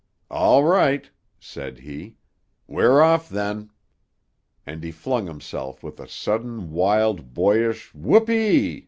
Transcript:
"All right," said he. "We're off, then!" And he flung himself with a sudden wild, boyish "Whoopee!"